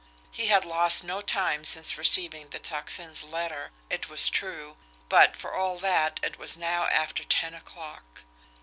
He had lost no time since receiving the Tocsin's letter, it was true, but, for all that, it was now after ten o'clock.